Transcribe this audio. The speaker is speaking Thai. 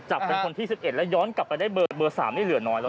จับเป็นคนที่๑๑แล้วย้อนกลับได้เบอร์๓ได้เหลือหน่อยละ